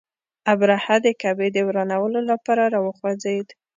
ابرهه د کعبې د ورانولو لپاره را وخوځېد.